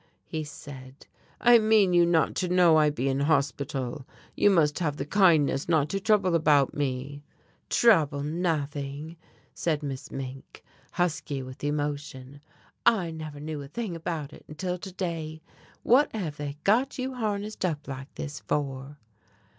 he said, "I mean you not to know I be in hospital. You must have the kindness not to trouble about me." "Trouble nothing," said Miss Mink, husky with emotion, "I never knew a thing about it until to day. What have they got you harnessed up like this for?"